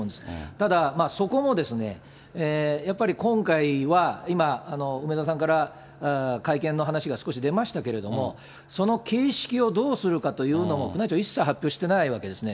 ただそこもですね、やっぱり今回は、今、梅沢さんから会見の話が少し出ましたけれども、その形式をどうするかというのも、宮内庁、一切発表していないわけですよね。